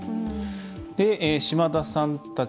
島田さんたち